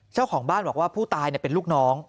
เจ้าของบ้านบอกว่าผู้ตายเป็นลูกน้อง